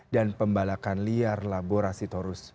dan pembalakan liar laborasi torus